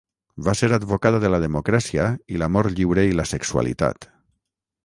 Va ser advocada de la democràcia i l'amor lliure i la sexualitat.